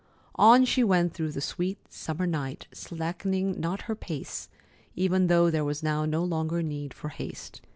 On she went through the sweet summer night, slackening not her pace, even though there was now no longer need for haste.